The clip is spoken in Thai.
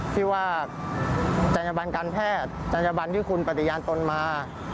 ที่ว่าจังหยาบาลการแพทย์จังหยาบาลที่คุณปฏิญาณตนมา